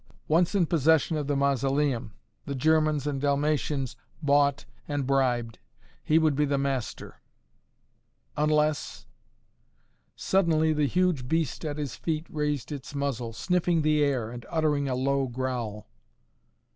Once in possession of the Mausoleum, the Germans and Dalmatians bought and bribed, he would be the master unless Suddenly the huge beast at his feet raised its muzzle, sniffing the air and uttering a low growl.